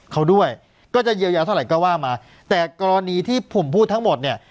เขาด้วยก็จะเยียวยาเท่าไหร่ก็ว่ามาแต่กรณีที่ผมพูดทั้งหมดเนี่ย